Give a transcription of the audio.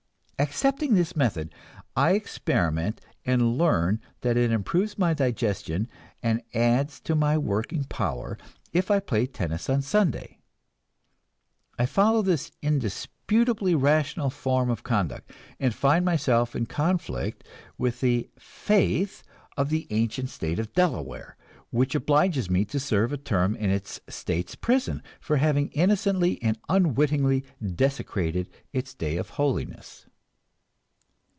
Accepting this method, I experiment and learn that it improves my digestion and adds to my working power if I play tennis on Sunday. I follow this indisputably rational form of conduct and find myself in conflict with the "faith" of the ancient State of Delaware, which obliges me to serve a term in its state's prison for having innocently and unwittingly desecrated its day of holiness!